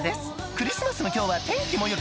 「クリスマスの今日は天気も良く」